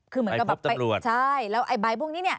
คือเหมือนกับแบบใช่แล้วไอ้บ๊ายพวกนี้เนี่ย